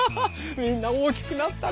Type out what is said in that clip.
みんな大きくなったね！